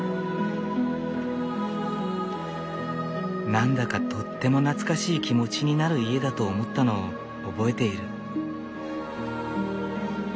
何だかとっても懐かしい気持ちになる家だと思ったのを覚えている。